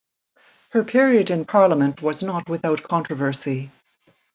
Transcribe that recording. Her period in parliament was not without controversy.